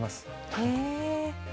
へえ。